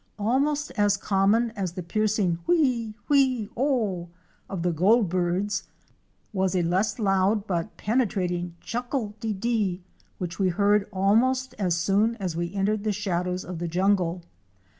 Almost as common as the piercing wheé! wheé! o! of the Goldbirds was a less loud but penetrating Chuckle de deé! which we heard almost as soon as we entered the shadows of the jungle.